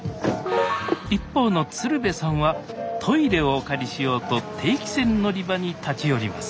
一方の鶴瓶さんはトイレをお借りしようと定期船乗り場に立ち寄ります